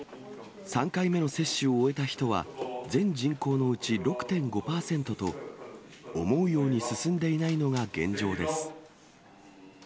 ３回目の接種を終えた人は、全人口のうち６．５％と、思うように進んでいないのが現状です。